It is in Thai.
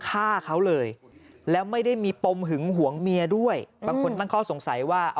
ฆ่าเขาเลยแล้วไม่ได้มีปมหึงหวงเมียด้วยบางคนตั้งข้อสงสัยว่า